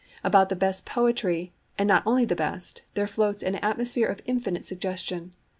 About the best poetry, and not only the best, there floats an atmosphere of infinite suggestion.